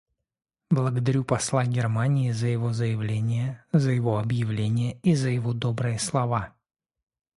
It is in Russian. Благодарю посла Германии за его заявление, за его объявление и за его добрые слова.